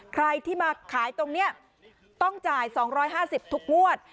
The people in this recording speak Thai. ใครที่มาขายตรงนี้ต้องจ่าย๒๕๐ทุกงวด